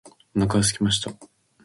お腹がすきました